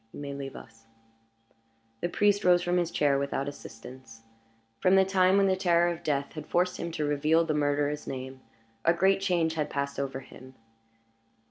"You may leave us." The priest rose from his chair without assistance. From the time when the terror of death had forced him to reveal the murderer's name a great change had passed over him.